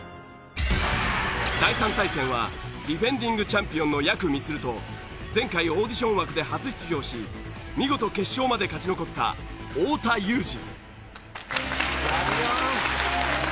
第３対戦はディフェンディングチャンピオンのやくみつると前回オーディション枠で初出場し見事決勝まで勝ち残った太田裕二。